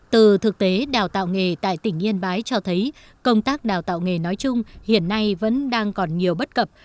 từ thực tế đào tạo nghề tại tỉnh yên bái cho thấy công tác đào tạo nghề nói chung hiện nay vẫn đang còn nhiều bất cập